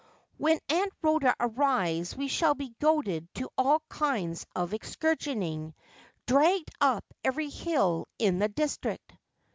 When Aunt Rhoda arrives we shall be goaded to all kinds of excursionising, dragged up every hill in the district.'